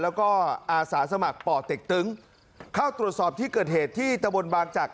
แล้วก็อาสาสมัครป่อเต็กตึงเข้าตรวจสอบที่เกิดเหตุที่ตะบนบางจักร